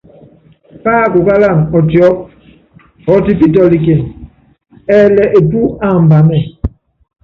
Pákukálana ɔtiɔ́pɔ́, ɔtipítɔ́líkínɛ, ɛɛlɛ epú ambanɛ́ɛ.